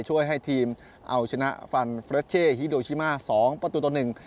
ช่วยให้ทีมเอาชนะฟันเฟรชเช่ฮิโดชิมาสองประตูต่อหนึ่ง